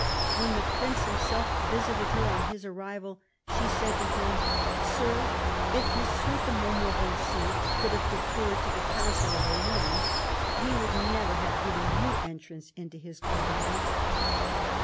When the Prince himself visited her on his arrival she said to him :" Sir, if M. de Montmorency could have 'deferred to the counsel of a woman, he would never have given you entrance into his government."